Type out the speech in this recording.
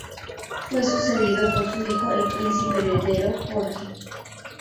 Fue sucedido por su hijo el Príncipe Heredero Jorge.